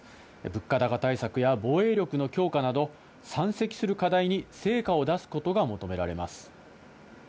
物価高対策や防衛力の強化など、山積する課題に成果を出すことが求められます。